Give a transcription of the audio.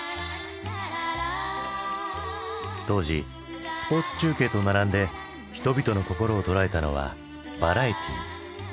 当時スポーツ中継と並んで人々の心を捉えたのはバラエティー。